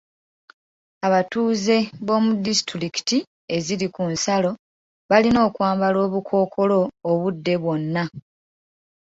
Abatuuze b'omu disitulikiti eziri ku nsalo balina okwambala obukookolo obudde bwonna.